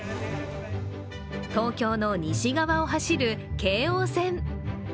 東京の西側を走る京王線。